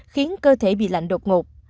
khiến cơ thể bị lạnh đột ngột